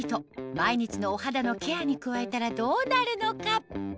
毎日のお肌のケアに加えたらどうなるのか？